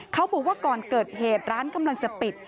เขาบอกว่าก่อนเกิดเหตุร้านกำลังจะปิด